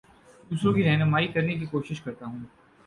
دوسروں کی رہنمائ کرنے کی کوشش کرتا ہوں